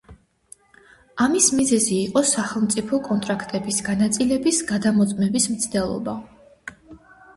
ამის მიზეზი იყო სახელმწიფო კონტრაქტების განაწილების გადამოწმების მცდელობა.